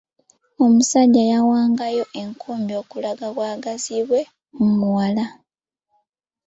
Omusajja yawangayo enkumbi okulaga obwagazi bwe mu muwala.